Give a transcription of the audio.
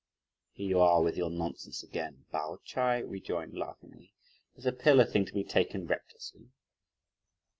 "Here you are with your nonsense again," Pao Ch'ai rejoined laughingly; "is a pill a thing to be taken recklessly?"